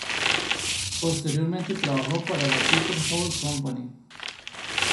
Posteriormente trabajó para la Peter Hall Company.